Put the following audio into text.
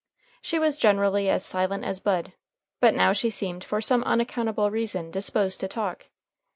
She was generally as silent as Bud, but now she seemed for some unaccountable reason disposed to talk.